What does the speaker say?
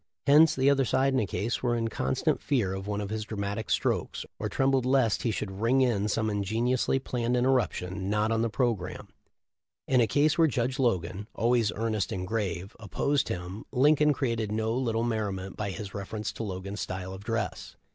Hence the other side in a case were in con stant fear of one of his dramatic strokes, or trem bled lest he should "ring in" some ingeniously planned interruption not on the programme. In a case where Judge Logan — always earnest and grave — opposed him, Lincoln created no little merriment by his reference to Logan's style of dress.